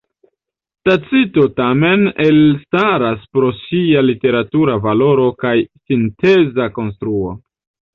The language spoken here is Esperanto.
Tacito tamen elstaras pro sia literatura valoro kaj sinteza konstruo.